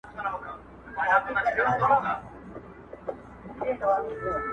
فکر بايد بدل سي ژر,